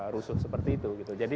rusuk seperti itu